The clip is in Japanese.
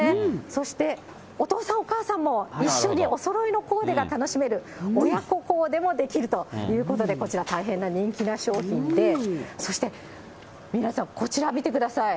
そしてお父さん、お母さんも一緒におそろいのコーデが楽しめる、親子コーデもできるということで、こちら、大変な人気な商品で、そして皆さん、こちら見てください。